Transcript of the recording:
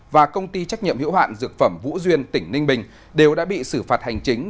và công ty trách nhiệm hiệu hạn dược phẩm vũ duyên tỉnh ninh bình đều đã bị xử phạt hành chính